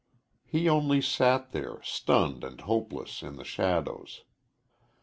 He only sat there, stunned and hopeless, in the shadows.